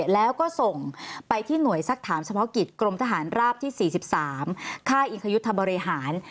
แล้วก็ส่งไปที่หน่วยสักถามเฉพาะกิจกรมทหารราบที่๔๓ค่ายอิงคยุทธบริหาร